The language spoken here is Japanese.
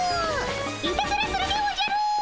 いたずらするでおじゃる！